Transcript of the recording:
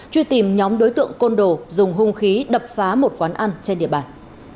truy tìm nhóm đối tượng côn đồ dùng hung khí đập phá một quán ăn trên địa bàn